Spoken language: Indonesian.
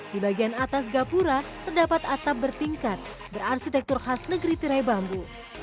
di bagian atas gapura terdapat atap bertingkat berarsitektur khas negeri tirai bambu